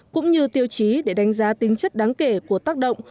cũng như tiêu chí để đánh giá tính chất đáng kể của tác động